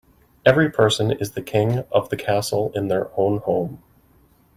Every person is the king of the castle in their own home.